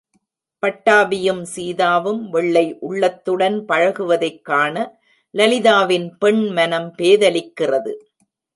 பட்டாபியும் சீதாவும் வெள்ளை உள்ளத்துடன் பழகுவதைக் காண, லலிதாவின் பெண்மனம் பேதலிக்கிறது.